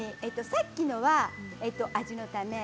さっきのは味のため。